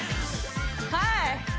はい！